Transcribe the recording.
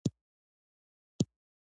هر انسان پۀ خپل عمل بللے کيږي